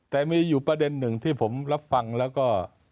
แต่มีอยู่ประเด็นหนึ่งที่ผมรับฟังแล้วก็